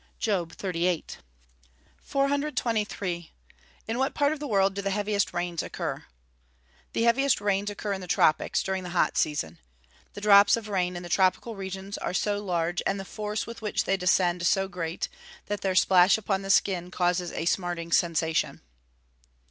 JOB XXXVIII.] 423. In what part of the world do the heaviest rains occur? The heaviest rains occur in the tropics, during the hot season. The drops of rain in the tropical regions are so large, and the force with which they descend so great, that their splash upon the skin causes a _smarting sensation.